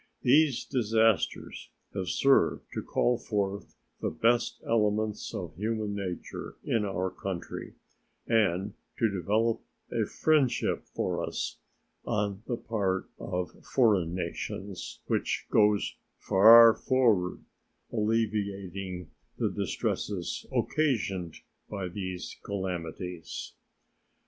These disasters have served to call forth the best elements of human nature in our country and to develop a friendship for us on the part of foreign nations which goes far toward alleviating the distresses occasioned by these calamities.